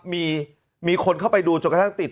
มีคนเข้าไปดูจนกระทั่งติด